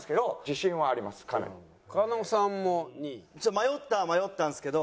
迷ったは迷ったんですけど。